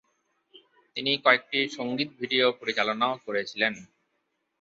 তিনি কয়েকটি সংগীত ভিডিও পরিচালনাও করেছিলেন।